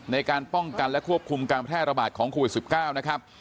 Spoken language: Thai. ในการป้องกันและควบคุมการแพร่ระบาดของโควิด๑๙นะครับ